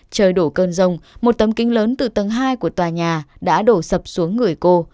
trời đổ cơn rông một tấm kính lớn từ tầng hai của tòa nhà đã đổ sập xuống người cô